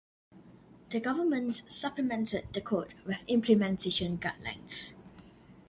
The government supplemented the Code with Implementation Guidelines.